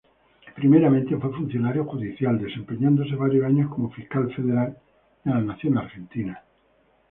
Primeramente fue funcionario judicial, desempeñándose varios años como Fiscal Federal de la Nación Argentina.